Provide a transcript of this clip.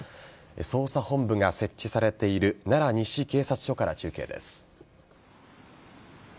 捜査本部が設置されている奈良西警察署から中継です。